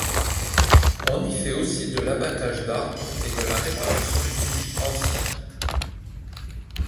On y fait aussi de l'abattage d'arbres et de la réparation d'outils anciens.